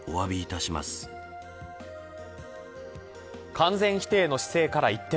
完全否定の姿勢から一転。